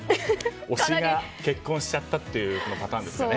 推しが結婚しちゃったというパターンですね。